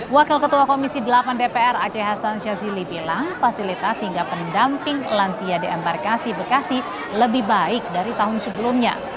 wakil ketua komisi delapan dpr aceh hasan syazili bilang fasilitas hingga pendamping lansia di embarkasi bekasi lebih baik dari tahun sebelumnya